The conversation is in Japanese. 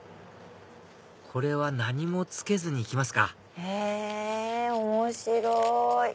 これは何もつけずに行きますか面白い！